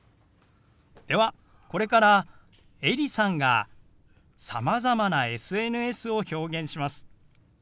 ではこれからエリさんがさまざまなＳＮＳを表現します。